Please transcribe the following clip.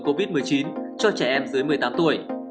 covid một mươi chín cho trẻ em dưới một mươi tám tuổi